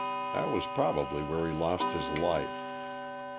That was probably where he lost his life.